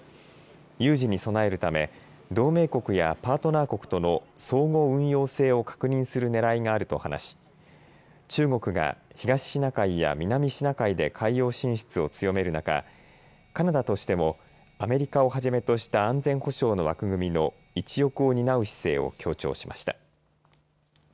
有事に備えるため同盟国やパートナー国との相互運用性を確認するねらいがあると話し中国が東シナ海や南シナ海で海洋進出を強める中、カナダとしてもアメリカをはじめとした安全保障の枠組みの一翼を担う姿勢を強調しました。